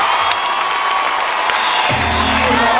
มาฟังคำเจริญกันค่ะ